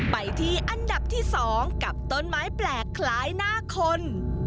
ไปที่อันดับที่๒กับต้นไม้แปลกคล้ายหน้าคน